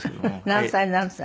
何歳何歳？